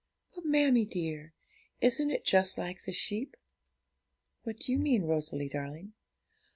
'But, mammie dear, isn't it just like the sheep?' 'What do you mean, Rosalie darling?'